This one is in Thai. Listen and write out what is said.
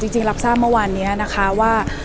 จริงรับทราบเมื่อวานนี้นะคะว่า